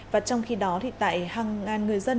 và trong khi đó thì tại hàng ngàn người dân